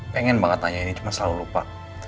pengen banget nanya ini cuma selalu lupa